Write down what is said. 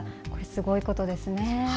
すごいことですね。